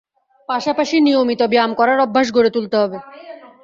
পাশাপাশি নিয়মিত ব্যায়াম করার অভ্যাস গড়ে তুলতে হবে।